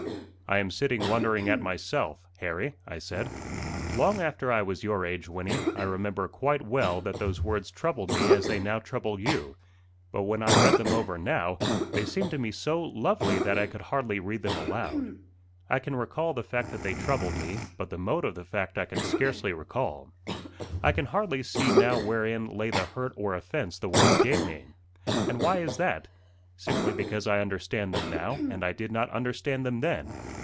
"I am sitting wondering at myself, Harry," I said. "Long after I was your age, Wynnie, I remember quite well that those words troubled me as they now trouble you. But when I read them over now, they seemed to me so lovely that I could hardly read them aloud. I can recall the fact that they troubled me, but the mode of the fact I scarcely can recall. I can hardly see now wherein lay the hurt or offence the words gave me. And why is that? Simply because I understand them now, and I did not understand them then.